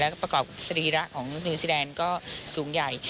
แล้วก็ประกอบสรีระของนิวซีแดนก็สูงใหญ่